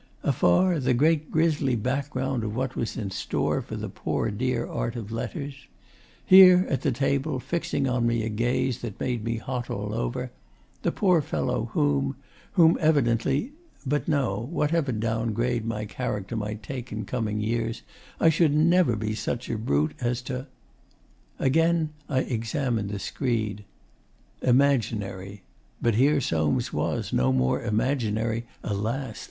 Afar, the great grisly background of what was in store for the poor dear art of letters; here, at the table, fixing on me a gaze that made me hot all over, the poor fellow whom whom evidently... but no: whatever down grade my character might take in coming years, I should never be such a brute as to Again I examined the screed. 'Immajnari' but here Soames was, no more imaginary, alas!